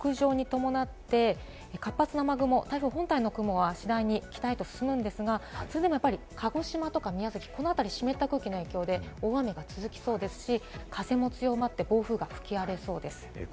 このあと見てみますと、台風の北上に伴って、活発な雨雲、台風本体の雲は次第に北へと進むんですが、それでもやっぱり鹿児島や宮崎は湿った空気の影響で大雨が続きそうですし、風も強まって暴風が吹き荒れそうです。